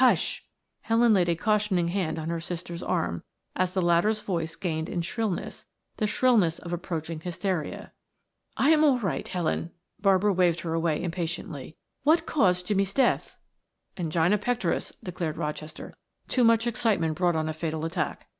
"Hush!" Helen laid a cautioning hand on her sister's arm as the latter's voice gained in shrillness, the shrillness of approaching hysteria. "I am all right, Helen." Barbara waved her away impatiently. "What caused Jimmie's death?" "Angina pectoris," declared Rochester. "Too much excitement brought on a fatal attack."